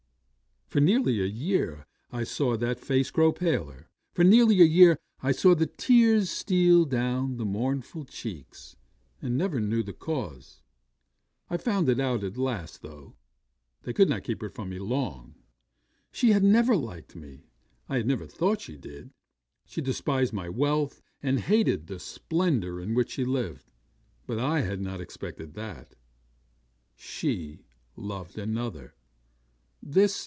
'For nearly a year I saw that face grow paler; for nearly a year I saw the tears steal down the mournful cheeks, and never knew the cause. I found it out at last though. They could not keep it from me long. She had never liked me; I had never thought she did: she despised my wealth, and hated the splendour in which she lived; but I had not expected that. She loved another.